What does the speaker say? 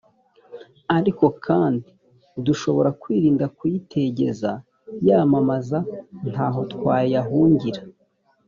ariko kandi dushobora kwirinda kuyitegeza yamamaza nta ho twayahungira